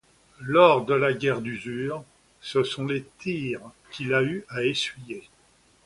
Lors de la Guerre d'usure, ce sont les tirs qu'il a eu à essuyer.